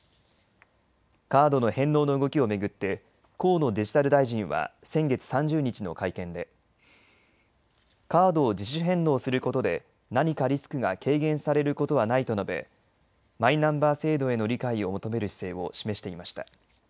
カードの返納の動きを巡って河野デジタル大臣は先月３０日の会見でカードを自主返納することで何かリスクが軽減されることはないと述べマイナンバー制度への理解を求める姿勢を示していました。